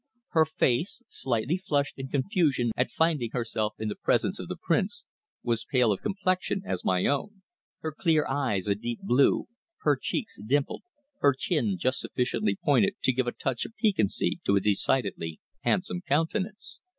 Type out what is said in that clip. Her face, slightly flushed in confusion at finding herself in the presence of the Prince, was pale of complexion as my own, her clear eyes a deep blue, her cheeks dimpled, her chin just sufficiently pointed to give a touch of piquancy to a decidedly handsome countenance.